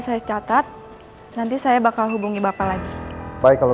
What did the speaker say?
saya akan tunggu update annya